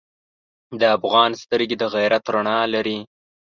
د افغان سترګې د غیرت رڼا لري.